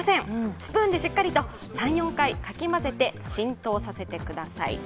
スプーンでしっかりと３４回、かき混ぜて、浸透させてください。